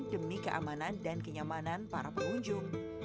demi keamanan dan kenyamanan para pengunjung